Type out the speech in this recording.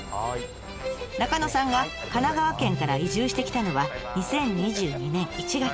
中野さんが神奈川県から移住してきたのは２０２２年１月。